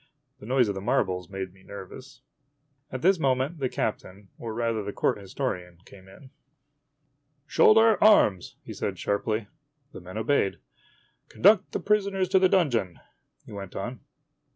The noise of the marbles made me nervous. At this moment the captain, or rather the Court Historian, came in. 102 IMAGINOTIONS " Shoulder arms !" he said sharply. The men obeyed. " Con duct the prisoners to the donjon !" he went on.